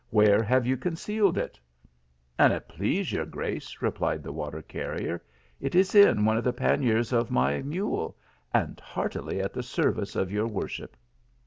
where have you concealed it ?"" An it please your grace," replied the water carrier, " it is in one of the panniers of my mule, and heartily at the service of your worship."